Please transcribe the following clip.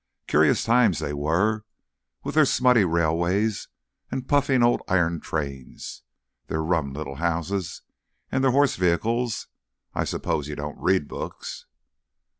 Curious times they were, with their smutty railways and puffing old iron trains, their rum little houses and their horse vehicles. I suppose you don't read books?"